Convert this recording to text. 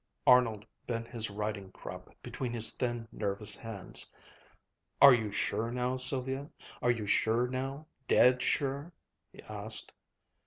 Arnold bent his riding crop between his thin, nervous hands. "Are you sure now, Sylvia, are you sure now, dead sure?" he asked.